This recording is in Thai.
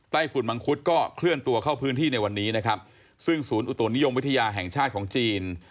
ฝุ่นมังคุดก็เคลื่อนตัวเข้าพื้นที่ในวันนี้นะครับซึ่งศูนย์อุตุนิยมวิทยาแห่งชาติของจีน